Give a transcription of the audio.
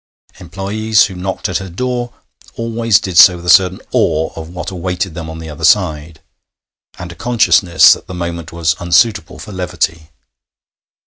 Employés who knocked at her door always did so with a certain awe of what awaited them on the other side, and a consciousness that the moment was unsuitable for levity.